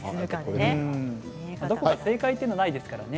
正解というものはないですからね。